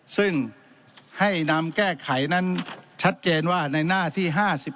ซึ่งให้นำแก้ไขนั้นชัดเจนว่าในหน้าที่๕๑